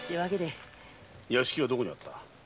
屋敷はどこにあった？